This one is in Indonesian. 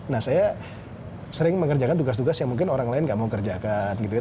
nah saya sering mengerjakan tugas tugas yang mungkin orang lain gak mau kerjakan gitu ya